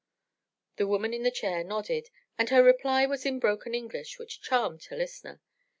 The woman in the chair nodded, and her reply was in broken English, which charmed her listener.